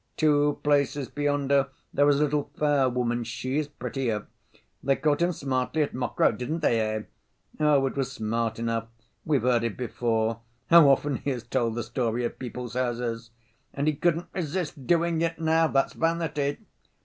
"Two places beyond her there is a little fair woman, she is prettier." "They caught him smartly at Mokroe, didn't they, eh?" "Oh, it was smart enough. We've heard it before, how often he has told the story at people's houses!" "And he couldn't resist doing it now. That's vanity."